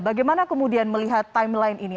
bagaimana kemudian melihat timeline ini